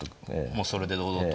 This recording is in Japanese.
もうそれで堂々と。